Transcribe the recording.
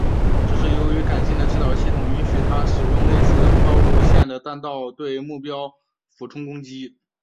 这是由于改进的制导系统允许它使用类似抛物线的弹道对目标俯冲攻击。